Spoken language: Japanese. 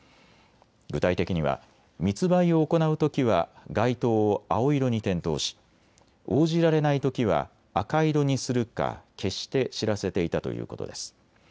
具体的には密売を行うときは外灯を青色に点灯し応じられないときは赤色にするか消して知らせていたということです。